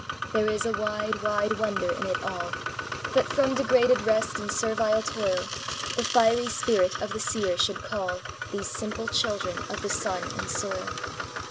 There is a wide, wide wonder in it all, That from degraded rest and servile toil The fiery spirit of the seer should call These simple children of the sun and soil.